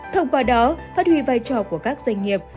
thông qua đó phát huy vai trò của các doanh nghiệp